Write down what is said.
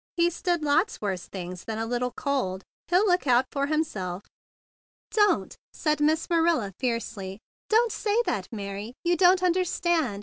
He's stood lots worse things than a little cold. He'll look out for himself." "Don't!" said Miss Marilla fiercely. "Don't say that, Mary! You don't un¬ derstand.